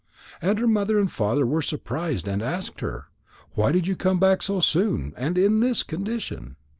And her mother and father were surprised and asked her: "Why did you come back so soon, and in this condition?"